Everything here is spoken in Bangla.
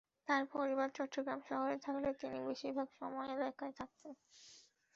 তাঁর পরিবার চট্টগ্রাম শহরে থাকলে তিনি বেশির ভাগ সময় এলাকায় থাকতেন।